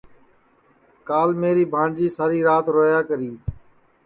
کال میری بھانٚٹؔجی ساری رات رویا کری